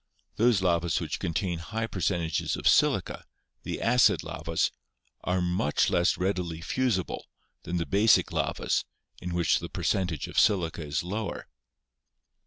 Those lavas which contain high percentages of silica, the acid lavas, are much less readily fusible than the basic lavas, in which the percentage of silica is lower.